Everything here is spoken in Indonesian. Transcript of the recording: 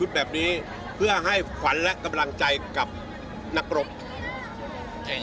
untuk memberikan ulasan dan memperkuat kepada para perempuan